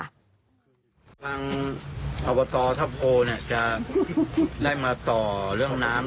ทางอบตทัพโพจะได้มาต่อเรื่องน้ำ